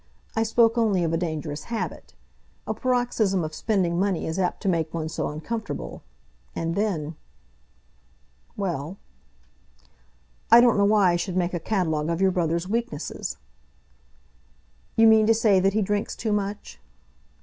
I spoke only of a dangerous habit. A paroxysm of spending money is apt to make one so uncomfortable. And then " "Well." "I don't know why I should make a catalogue of your brother's weaknesses." "You mean to say that he drinks too much?"